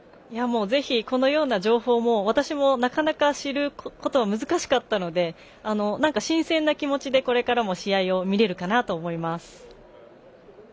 ぜひ、このような情報も私もなかなか知ることは難しかったのでなんか新鮮な気持ちでこれからも試合を見れるかなと思います。